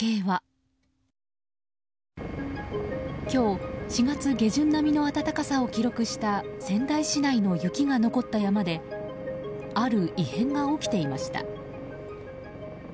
今日、４月下旬並みの暖かさを記録した仙台市内の雪が残った山である異変が起きていました。